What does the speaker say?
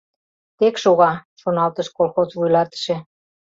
«Тек шога, — шоналтыш колхоз вуйлатыше.